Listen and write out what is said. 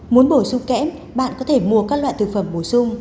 muốn bổ sung kẽm bạn có thể mua các loại thực phẩm bổ sung